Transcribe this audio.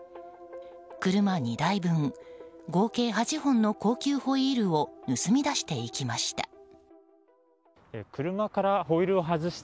車２台分合計８本の高級ホイールを盗み出していきました。